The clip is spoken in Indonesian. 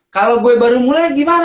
kalau gue baru mulai gimana